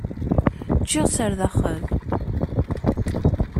Ččiɣ-tt ar zdaxel.